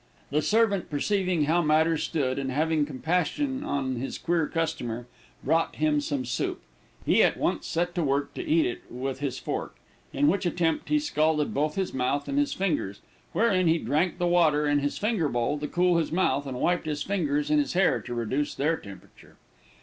The servant perceiving how matters stood, and having compassion on his queer customer, brought him some soup. He at once set to work to eat it with his fork, in which attempt he scalded both his mouth and his fingers, whereupon he drank the water in his finger bowl to cool his mouth, and wiped his fingers in his hair to reduce their temperature.